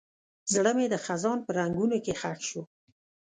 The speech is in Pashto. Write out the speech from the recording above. زړه مې د خزان په رنګونو کې ښخ شو.